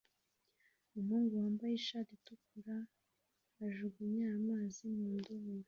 Umuhungu wambaye ishati itukura ajugunya amazi mu ndobo